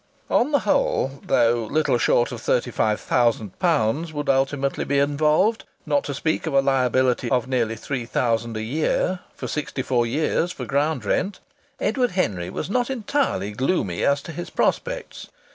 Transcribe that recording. On the whole, though little short of thirty five thousand pounds would ultimately be involved not to speak of a liability of nearly three thousand a year for sixty four years for ground rent Edward Henry was not entirely gloomy as to his prospects.